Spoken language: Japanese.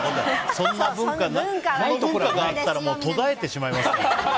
そんな文化がないところがあったら途絶えてしまいますから。